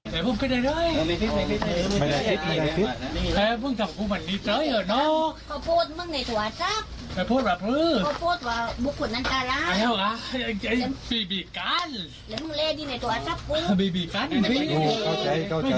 มาส่วนข้าวแบ่งคอพูท